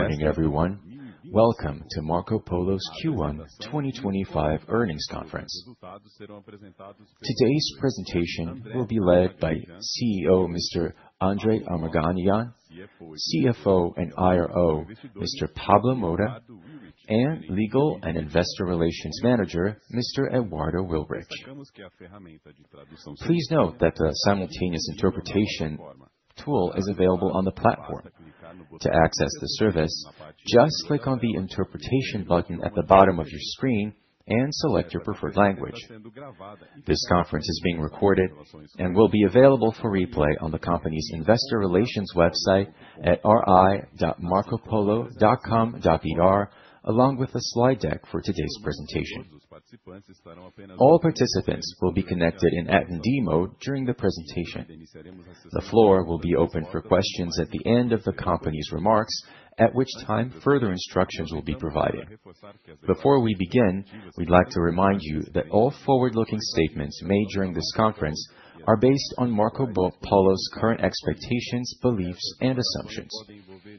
Good morning everyone. Welcome to Marcopolo's Q1 2025 earnings conference. Today's presentation will be led by CEO Mr. André Armaganian, CFO and IRO Mr. Pablo Mota, and Legal and Investor Relations Manager Mr. Eduardo Willrich. Please note that the simultaneous interpretation tool is available on the platform. To access the service, just click on the interpretation button at the bottom of your screen and select your preferred language. This conference is being recorded and will be available for replay on the company's investor relations website at ri.marcopolo.com.br along with a slide deck for today's presentation. All participants will be connected in attendee mode during the presentation. The floor will be open for questions at the end of the company's remarks, at which time further instructions will be provided. Before we begin, we'd like to remind you that all forward-looking statements made during this conference are based on Marcopolo's current expectations, beliefs, and assumptions.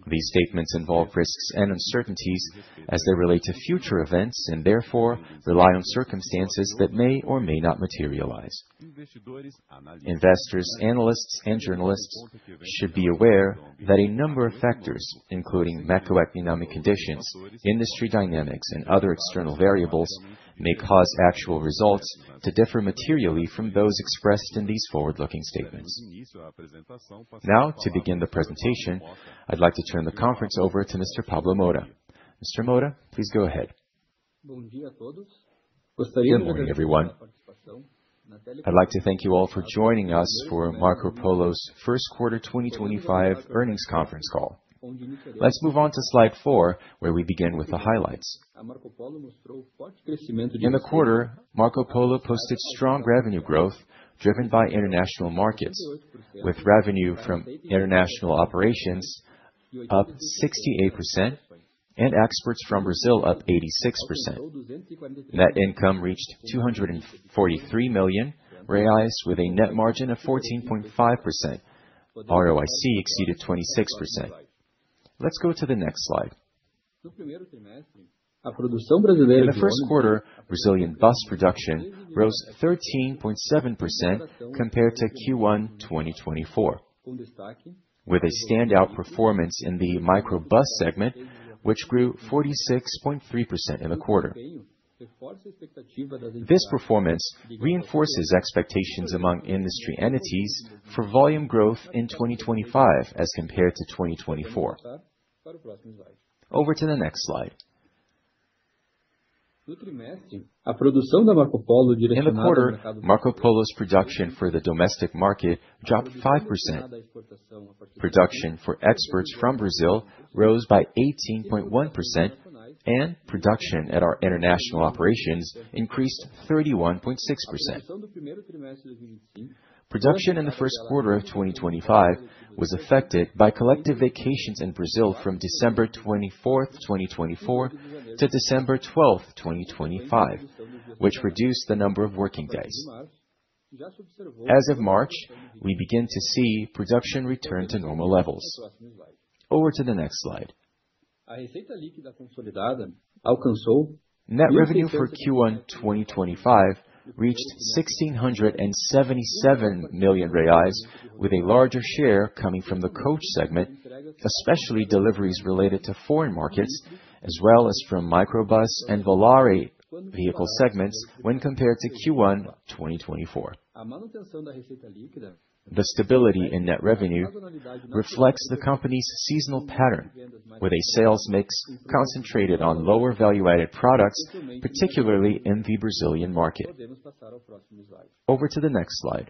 These statements involve risks and uncertainties as they relate to future events and therefore rely on circumstances that may or may not materialize. Investors, analysts, and journalists should be aware that a number of factors, including macroeconomic conditions, industry dynamics, and other external variables, may cause actual results to differ materially from those expressed in these forward-looking statements. Now, to begin the presentation, I'd like to turn the conference over to Mr. Pablo Mota. Mr. Mota, please go ahead. Good morning everyone. I'd like to thank you all for joining us for Marcopolo's first quarter 2025 earnings conference call. Let's move on to Slide 4, where we begin with the highlights. In the quarter, Marcopolo posted strong revenue growth driven by international markets, with revenue from international operations up 68% and exports from Brazil up 86%. Net income reached 243 million reais with a net margin of 14.5%. ROIC exceeded 26%. Let's go to the next slide. In the first quarter, Brazilian bus production rose 13.7% compared to Q1 2024 with a standout performance in the Microbus segment which grew 46.3% in the quarter. This performance reinforces expectations among industry entities for volume growth in 2025 as compared to 2024. Over to the next slide. In the quarter, Marcopolo's production for the domestic market dropped 5%. Production for exports from Brazil rose by 18.1% and production at our international operations increased 31.6%. Production in the first quarter of 2025 was affected by collective vacations in Brazil from December 24, 2024 to December 12, 2025, which reduced the number of working days. As of March, we begin to see production return to normal levels. Over to the next slide, net revenue for Q1 2025 reached 1,677 million reais, with a larger share coming from the coach segment, especially deliveries related to foreign markets as well as from Microbus and Volare vehicle segments when compared to Q1 2024. The stability in net revenue reflects the company's seasonal pattern with a sales mix concentrated on lower value added products, particularly in the Brazilian market. Over to the next slide,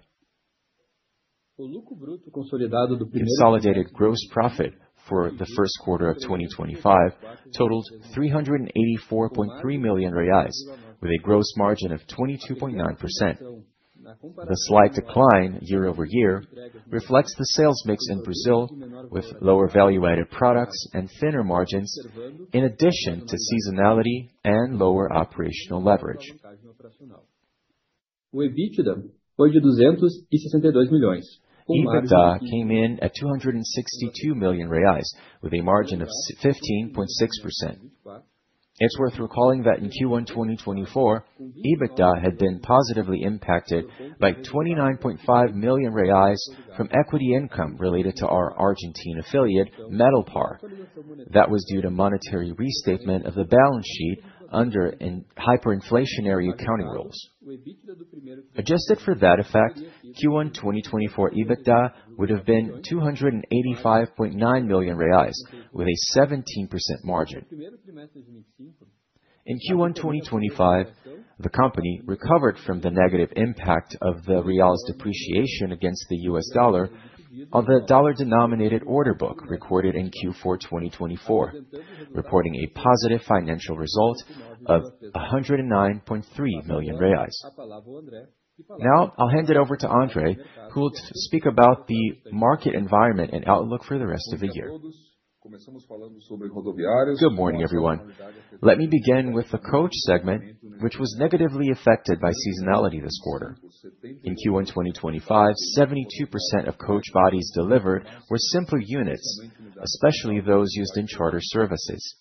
consolidated gross profit for the first quarter of 2025 totaled 384.3 million reais with a gross margin of 22.9%. The slight decline year over year reflects the sales mix in Brazil with lower value added products and thinner margins. In addition to seasonality and lower operational leverage. EBITDA came in at BRL 262 million with a margin of 15.6%. It's worth recalling that in Q1 2024 EBITDA had been positively impacted by 29.5 million reais from equity income related to our Argentine affiliate Metalpar that was due to monetary restatement of the balance sheet under hyperinflationary accounting rules. Adjusted for that effect, Q1 2024 EBITDA would have been 285.9 million reais with a 17% margin. In Q1 2025, the company recovered from the negative impact of the real's depreciation against the US dollar on the dollar denominated order book recorded in Q4 2024, reporting a positive financial result of 109.3 million reais. Now I'll hand it over to André who will speak about the market environment and outlook for the rest of the year. Good morning everyone. Let me begin with the coach segment, which was negatively affected by seasonality this quarter. In Q1 2025, 72% of coach bodies delivered were simpler units, especially those used in charter services.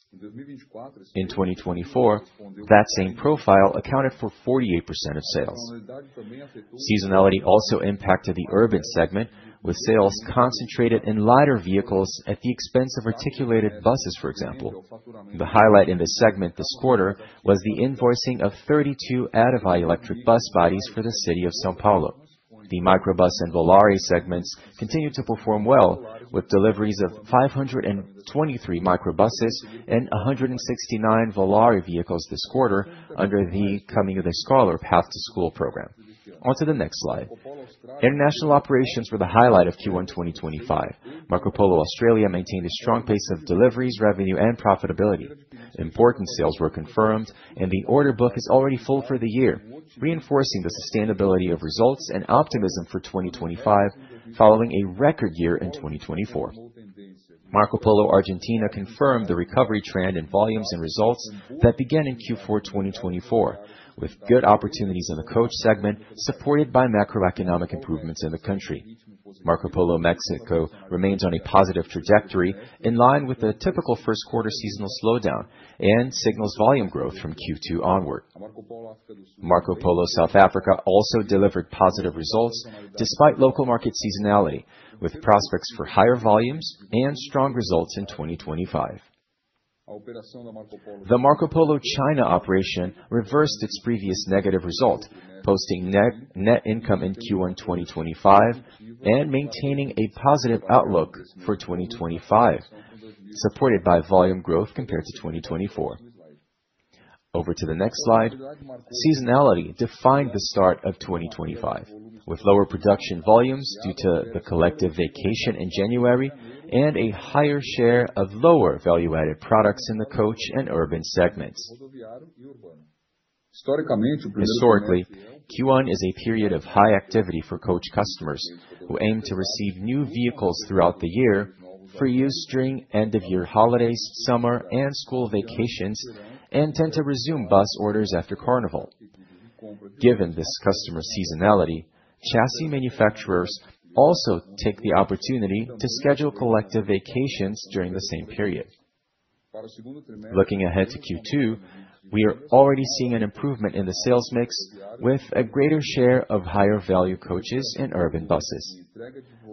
In 2024, that same profile accounted for 48% of sales. Seasonality also impacted the urban segment, with sales concentrated in lighter vehicles at the expense of articulated buses. For example, the highlight in this segment this quarter was the invoicing of 32 Attivi electric bus bodies for the city of São Paulo. The microbus and Volare segments continued to perform well with deliveries of 523 microbuses and 169 Volare vehicles this quarter under the coming of the Path to School program. On to the next slide. International operations were the highlight of Q1 2025. Marcopolo Australia maintained a strong pace of deliveries, revenue, and profitability. Important sales were confirmed and the order book is already full for the year, reinforcing the sustainability of results and optimism for 2025. Following a record year in 2024, Marcopolo Argentina confirmed the recovery trend in volumes and results that began in Q4 2024 with good opportunities in the coach segment supported by macroeconomic improvements in the country. Marcopolo Mexico remains on a positive trajectory in line with a typical first quarter seasonal slowdown and signals volume growth from Q2 onward. Marcopolo South Africa also delivered positive results despite local market seasonality with prospects for higher volumes and strong results in 2025. The Marcopolo China operation reversed its previous negative result, posting net income in Q1 2025 and maintaining a positive outlook for 2025 supported by volume growth compared to 2024. Over to the next slide. Seasonality defined the start of 2025 with lower production volumes due to the collective vacation in January and a higher share of lower value added products in the coach and urban segments. Historically, Q1 is a period of high activity for coach customers who aim to receive new vehicles throughout the year, free use during end of year holidays, summer and school vacations, and tend to resume bus orders after carnival. Given this customer seasonality, chassis manufacturers also take the opportunity to schedule collective vacations during the same period. Looking ahead to Q2, we are already seeing an improvement in the sales mix with a greater share of higher value coaches and urban buses.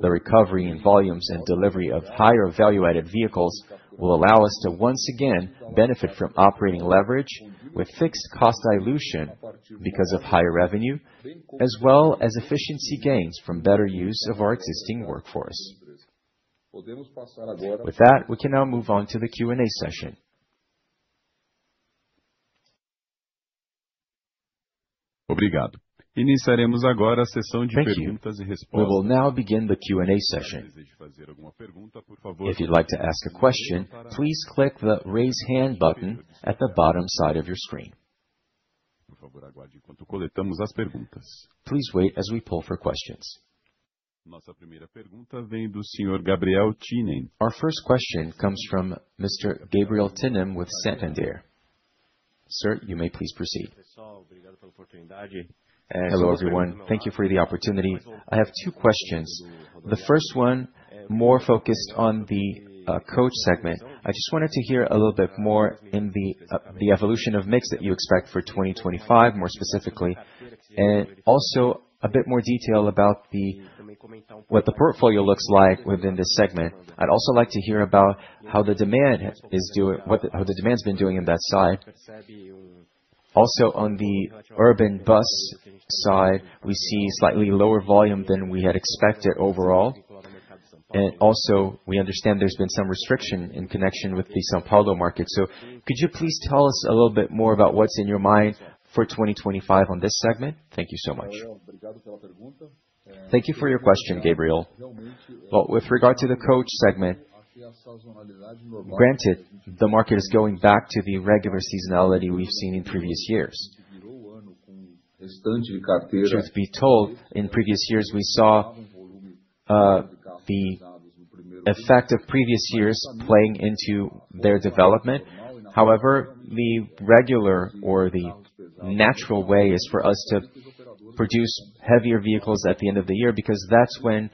The recovery in volumes and delivery of higher value added vehicles will allow us to once again benefit from operating leverage with fixed cost dilution because of higher revenue as well as efficiency gains from better use of our existing workforce. With that, we can now move on to the Q and A session. Thank you. We will now begin the Q and A session. If you'd like to ask a question, please click the raise hand button at the bottom side of your screen. Please wait as we poll for questions. Our first question comes from Mr. Gabriel Tinem with Santander. Sir, you may please proceed. Hello everyone. Thank you for the opportunity. I have two questions, the first one more focused on the Coach segment. I just wanted to hear a little bit more in the evolution of mix that you expect for 2025. More specifically, and also a bit more detail about what the portfolio looks like within this segment. I'd also like to hear about how the demand is doing, what the demand has been doing in that side. Also on the urban bus side, we see slightly lower volume than we had expected overall. Also, we understand there's been some restriction in connection with the São Paulo market. Could you please tell us a little bit more about what's in your mind for 2025 on this segment? Thank you so much. Thank you for your question, Gabriel. With regard to the coach segment, granted, the market is going back to the regular seasonality we've seen in previous years. Truth be told, in previous years, we saw the effect of previous years playing into their development. However, the regular or the natural way is for us to produce heavier vehicles at the end of the year, because that is when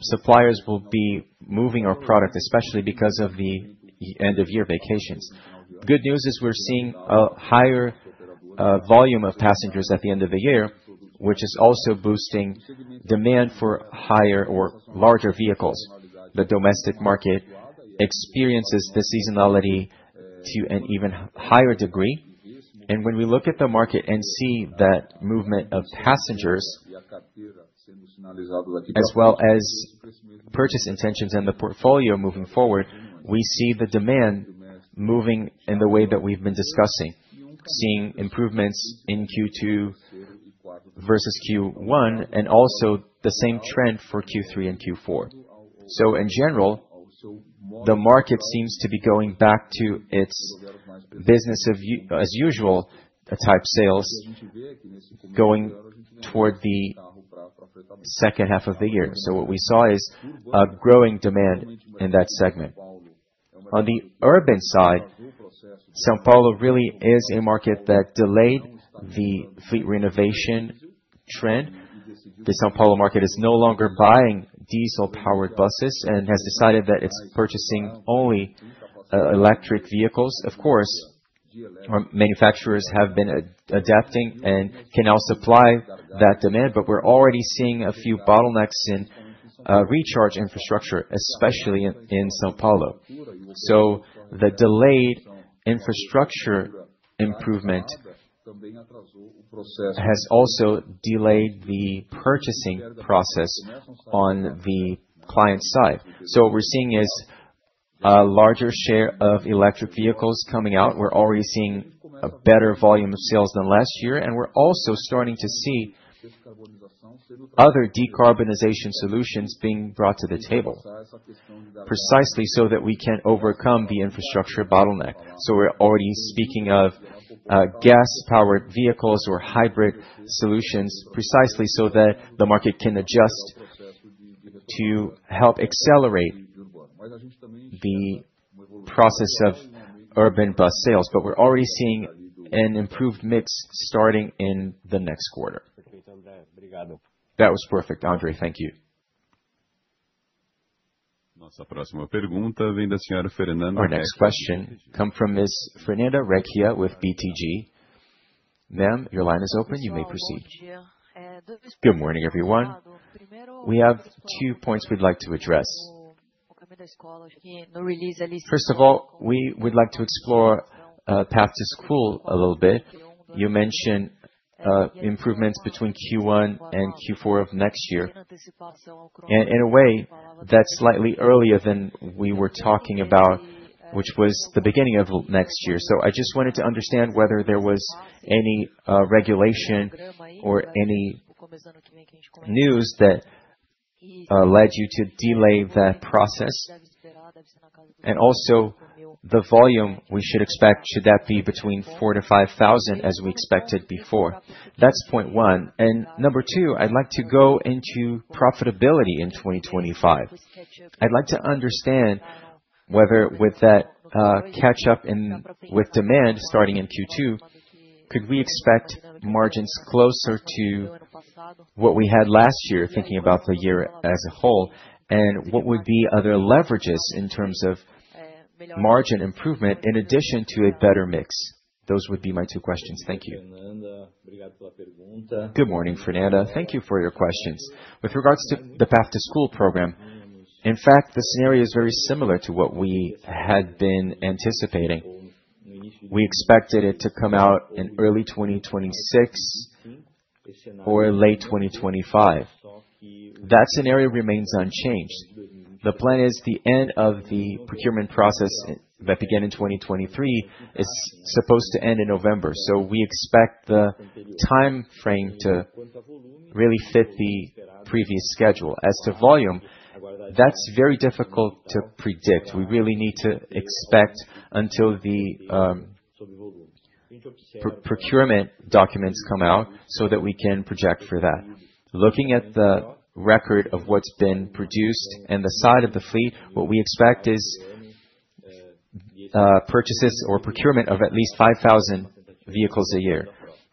suppliers will be moving our product, especially because of the end of year vacations. Good news is we are seeing a higher volume of passengers at the end of the year, which is also boosting demand for higher or larger vehicles. The domestic market experiences the seasonality to an even higher degree. When we look at the market and see that movement of passengers, as well as purchase intentions and the portfolio moving forward, we see the demand moving in the way that we have been discussing, seeing improvements in Q2 versus Q1 and also the same trend for Q3 and Q4. In general, the market seems to be going back to its business as usual type sales going toward the second half of the year. What we saw is a growing demand in that segment. On the urban side, São Paulo really is a market that delayed the fleet renovation trend. The São Paulo market is no longer buying diesel powered buses and has decided that it's purchasing only electric vehicles. Of course, manufacturers have been adapting and can now supply that demand. We're already seeing a few bottlenecks in recharge infrastructure, especially in São Paulo. The delayed infrastructure improvement has also delayed the purchasing process on the client side. What we're seeing is a larger share of electric vehicles coming out. We're already seeing a better volume of sales than last year. We're also starting to see other decarbonization solutions being brought to the table precisely so that we can overcome the infrastructure bottleneck. We're already speaking of gas powered vehicles or hybrid solutions precisely so that the market can adjust to help accelerate the process of urban bus sales. We're already seeing an improved mix starting in the next quarter. That was perfect, André. Thank you. Our next question comes from Ms. Fernanda Recchia with BTG. Ma'am, your line is open. You may proceed. Good morning, everyone. We have two points we'd like to address. First of all, we would like to explore Path to School a little bit. You mentioned improvements between Q1 and Q4 of next year. In a way, that's slightly earlier than we were talking about, which was the beginning of next year. I just wanted to understand whether there was any regulation or any news that led you to delay the process. Also, the volume we should expect, should that be between 4,000-5,000, as we expected before? That is point one. Number two, I would like to go into profitability in 2025. I would like to understand whether, with that catch up with demand starting in Q2, could we expect margins closer to what we had last year? Thinking about the year as a whole, and what would be other leverages in terms of margin improvement in addition to a better mix? Those would be my two questions. Thank you. Good morning, Fernanda. Thank you for your questions. With regards to the Path to School program, in fact, the scenario is very similar to what we had been anticipating. We expected it to come out in early 2026 or late 2025. That scenario remains unchanged. The plan is the end of the procurement process that began in 2023 is supposed to end in November. We expect the time frame to really fit the previous schedule. As to volume, that's very difficult to predict. We really need to expect until the procurement documents come out so that we can project for that. Looking at the record of what's been produced and the side of the fleet, what we expect is purchases or procurement of at least 5,000 vehicles a year.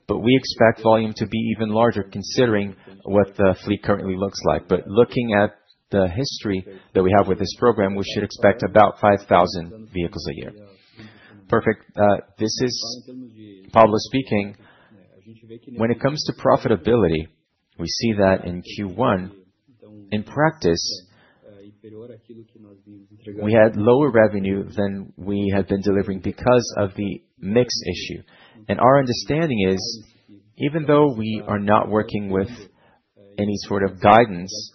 We expect volume to be even larger, considering what the fleet currently looks like. Looking at the history that we have with this program, we should expect about 5,000 vehicles a year. Perfect. This is Pablo speaking. When it comes to profitability, we see that in Q1, in practice, we had lower revenue than we had been delivering because of the mix issue. Our understanding is, even though we are not working with any sort of guidance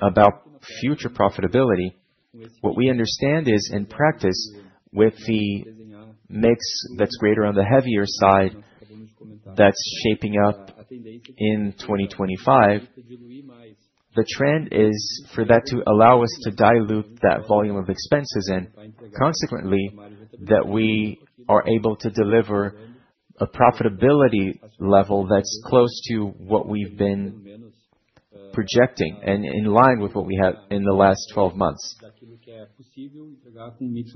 about future profitability, what we understand is, in practice, with the mix that's greater on the heavier side that's shaping up in 2025, the trend is for that to allow us to dilute that volume of expenses and consequently that we are able to deliver a profitability level that's close to what we've been projecting and in line with what we had in the last 12 months,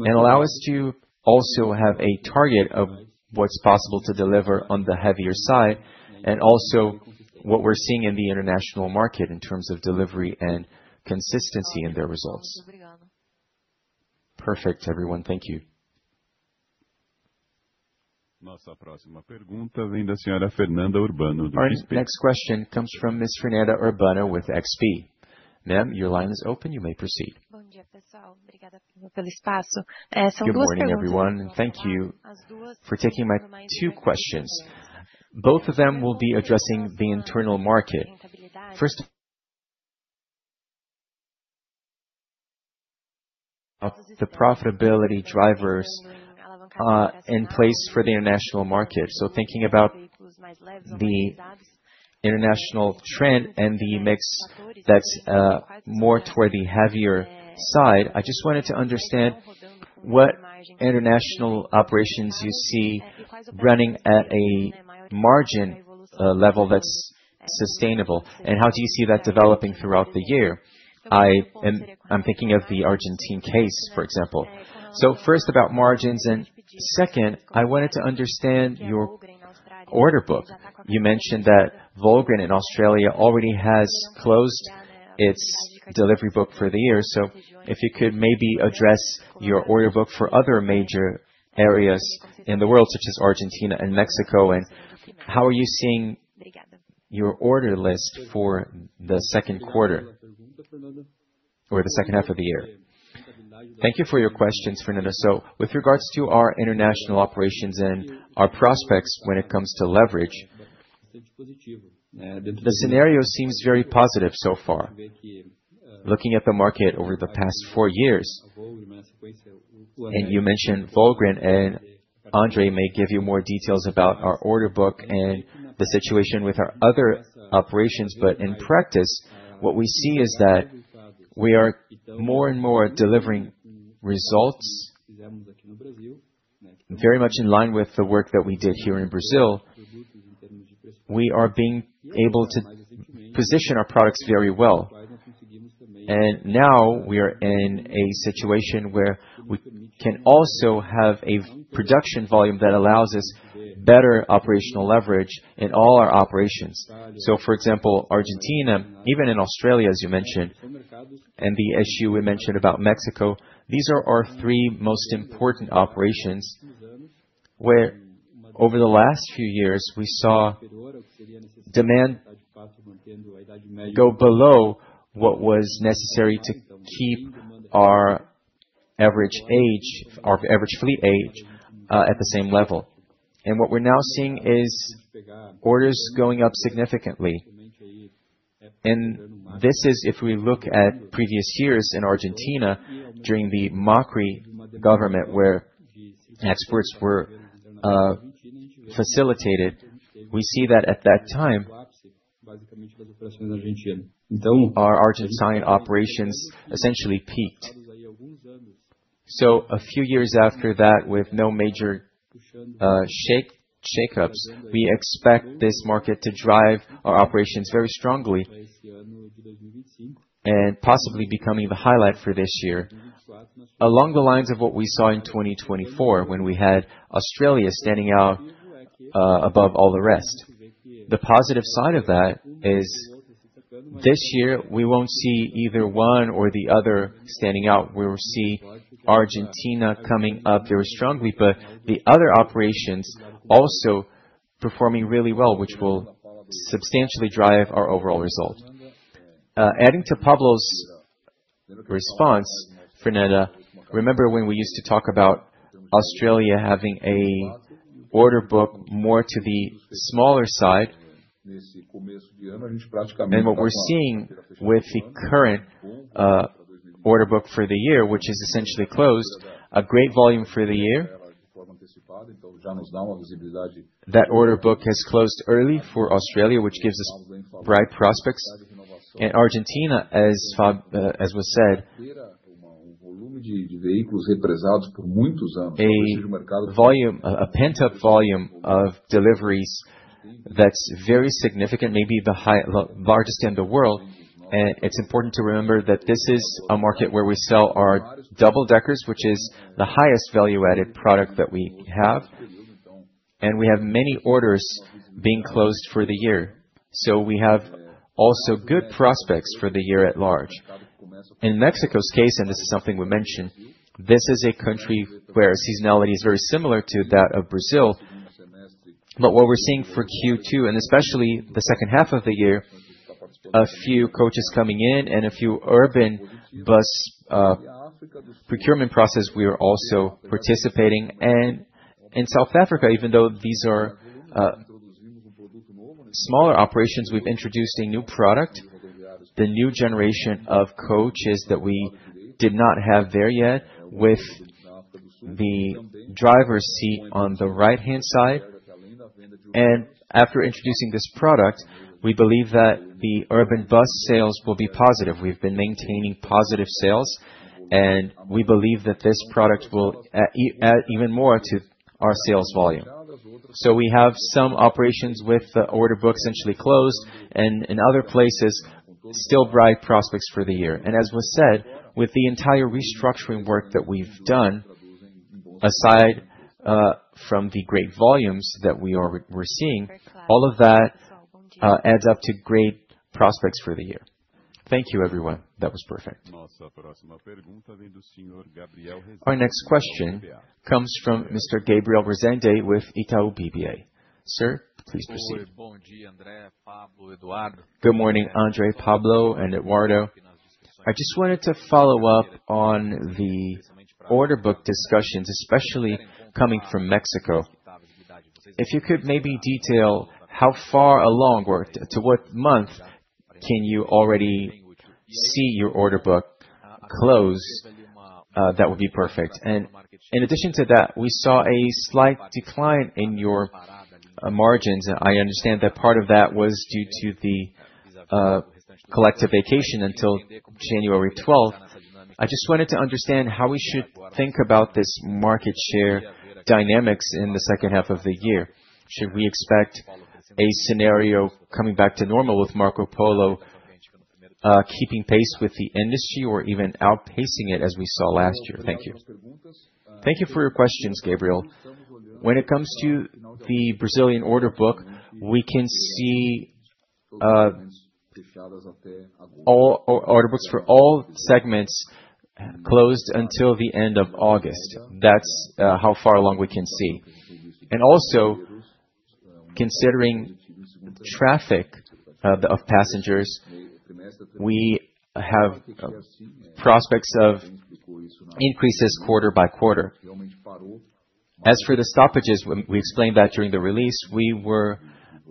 and allow us to also have a target of what's possible to deliver on the heavier side, and also what we're seeing in the international market in terms of delivery and consistency in their results. Perfect, everyone. Thank you. Next question comes from Ms. Fernanda Urbano with XP. Ma'am, your line is open. You may proceed. Good morning, everyone, and thank you for taking my two questions. Both of them will be addressing the internal market. First, the profitability drivers in place for the international market. Thinking about the international trend and the mix that's more toward the heavier side, I just wanted to understand what international operations you see running at a margin level that's sustainable, and how do you see that developing throughout the year? I'm thinking of the Argentine case, for example. First, about margins, and second, I wanted to understand your order book. You mentioned that Volgren in Australia already has closed its delivery book for the year. If you could maybe address your order book for other major areas in the world, such as Argentina and Mexico. How are you seeing your order list for the second quarter or the second half of the year? Thank you for your questions, Fernanda. With regards to our international operations and our prospects when it comes to leverage, the scenario seems very positive so far. Looking at the market over the past four years, you mentioned Volgren and André may give you more details about our order book and the situation with our other operations. In practice, what we see is that we are more and more delivering results very much in line with the work that we did here in Brazil. We are being able to position our products very well. Now we are in a situation where we can also have a production volume that allows us better operational leverage in all our operations. For example, Argentina, even in Australia, as you mentioned, and the issue we mentioned about Mexico, these are our three most important operations where over the last few years we saw demand go below what was necessary to keep our average age, our average fleet age at the same level. What we are now seeing is orders going up significantly. If we look at previous years in Argentina during the Macri government, where exports were facilitated, we see that at that time our Argentine operations essentially peaked. A few years after that, with no major shakeups, we expect this market to drive our operations very strongly and possibly become the highlight for this year. Along the lines of what we saw in 2024, when we had Australia standing out above all the rest. The positive side of that is this year we won't see either one or the other standing out. We will see Argentina coming up very strongly, but the other operations also performing really well, which will substantially drive our overall result. Adding to Pablo's response. Fernanda, remember when we used to talk about Australia having an order book more, more to the smaller side? What we're seeing with the current order book for the year, which is essentially closed, a great volume for the year. That order book has closed early for Australia, which gives us bright prospects. Argentina, as was said, a volume, a pent up volume of deliveries that's very significant, maybe the largest in the world. It's important to remember that this is a market where we sell our double deckers, which is the highest value added product that we have. We have many orders being closed for the year. We have also good prospects for the year at large. In Mexico's case, and this is something we mentioned, this is a country where seasonality is very similar to that of Brazil. What we are seeing for Q2 and especially the second half of the year is a few coaches coming in and a few urban bus procurement processes. We are also participating. In South Africa, even though these are smaller operations, we have introduced a new product, the new generation of coaches that we did not have there yet, with the driver's seat on the right-hand side. After introducing this product, we believe that the urban bus sales will be positive. We have been maintaining positive sales and we believe that this product will add even more to our sales volume. We have some operations with the order book essentially closed and in other places still bright prospects for the year. As was said, with the entire restructuring work that we have done, aside from the great volumes that we are seeing, all of that adds up to great prospects for the year. Thank you everyone. That was perfect. Our next question comes from Gabriel Rezende with Itaú BBA .Sir, please proceed. Good morning, André, Pablo and Eduardo. I just wanted to follow up on the order book discussions, especially coming from Mexico. If you could maybe detail how far along or to what monthI can you already see your order book close, that would be perfect. In addition to that, we saw a slight decline in your margins. I understand that part of that was due to the collective vacation until January 12th. I just wanted to understand how we should think about this market share dynamics in the second half of the year. Should we expect a scenario coming back to normal with Marcopolo keeping pace with the industry, or even outpaced pacing it as we saw last year? Thank you. Thank you for your questions, Gabriel. When it comes to the Brazilian order book, we can see order books for all segments closed until the end of August. That's how far along we can see. Also, considering traffic of passengers, we have prospects of increases quarter by quarter. As for the stoppages, we explained that during the release we were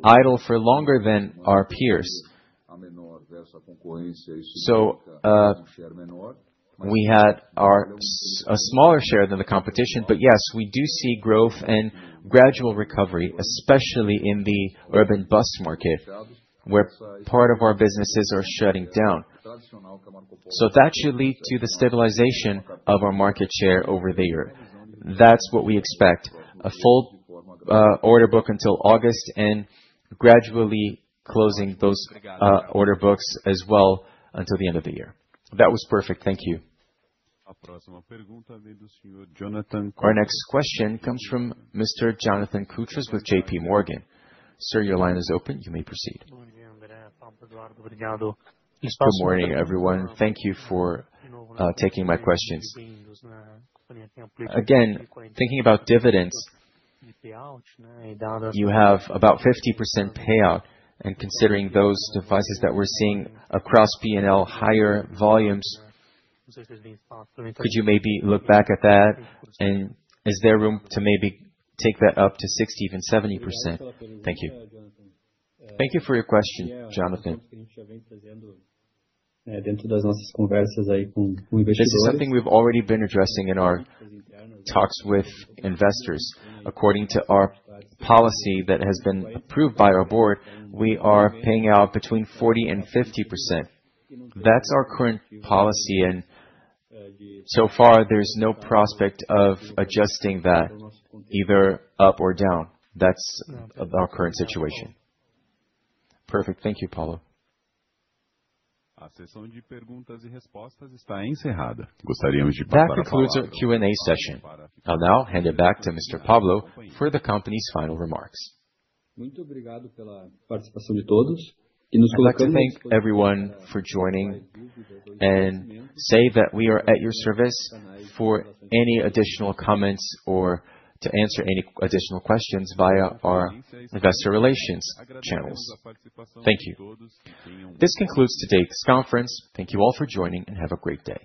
idle for longer than our peers, so we had a smaller share than the competition. Yes, we do see growth and gradual recovery, especially in the urban bus market where part of our businesses are shutting down. That should lead to the stabilization of our market share over the year. That's what we expect. A full order book until August and gradually closing those order books as well until the end of the year. That was perfect. Thank you. Our next question comes from Mr. Jonathan Koutras with JPMorgan. Sir, your line is open. You may proceed. Good morning, everyone. Thank you for taking my questions. Again, thinking about dividends, you have about 50% payout, and considering those devices that we're seeing across BNL, higher volumes, could you maybe look back at that and is there room to maybe take that up to 60, even 70%? Thank you. Thank you for your question, Jonathan. This is something we've already been addressing in our talks with investors. According to our policy that has been approved by our board, we are paying out between 40% and 50%. That's our current policy, and so far, there's no prospect of adjusting that, either up or down. That's our current situation. Perfect. Thank you, Pablo. That concludes our Q and A session. I'll now hand it back to Mr. Pablo for the company's final remarks. To thank everyone for joining and say that we are at your service for any additional comments or to answer any additional questions via our investor relations channels. Thank you. This concludes today's conference. Thank you all for joining and have a great day.